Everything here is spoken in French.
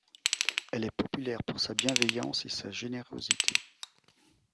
Elle est populaire pour sa bienveillance et sa générosité.